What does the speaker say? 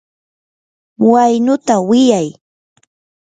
waynuta wiyay.